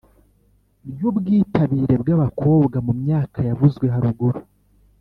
Ry ubwitabire bw abakobwa mu myaka yavuzwe haruguru